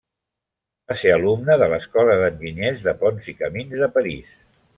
Va ser alumne de l'Escola d'Enginyers de Ponts i Camins de París.